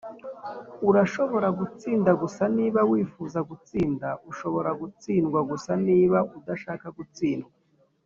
"urashobora gutsinda gusa niba wifuza gutsinda; ushobora gutsindwa gusa niba udashaka gutsindwa